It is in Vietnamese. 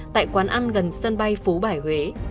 tại quán ăn gần sân bay phú bải huế